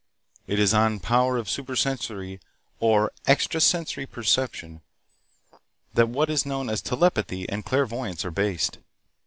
It is on power of supersensory, or extra sensory perception that what is known as telepathy and clairvoyance are based.